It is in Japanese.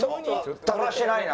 だらしないな！